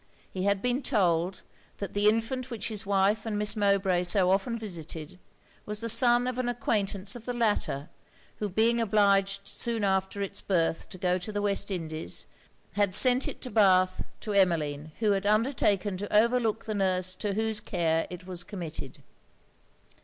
He had been told, that the infant which his wife and Miss Mowbray so often visited, was the son of an acquaintance of the latter; who being obliged soon after it's birth to go to the West Indies, had sent it to Bath to Emmeline, who had undertaken to overlook the nurse to whose care it was committed.